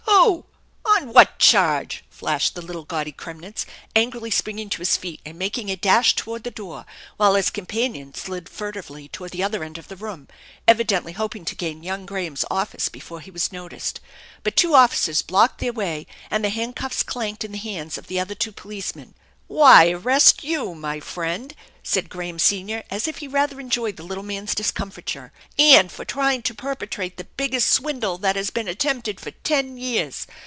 Who? On what charge?" flashed the little gaudy Kremnitz, angrily springing to his feet and making a dash toward the door, while his companion slid furtively toward the other end of the room, evidently hoping to gain young Graham's office before he was noticed. But two officers blocked their way and the handcuffs clanked in the hands of the other two policemen. " Why, arrest you, my friend," said Graham senior, as if he rather enjoyed the little man's discomfiture. "And for trying to perpetrate the biggest swindle that has been at tempted for ten years.